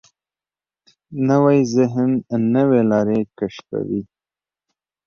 نوی ذهن نوې لارې کشفوي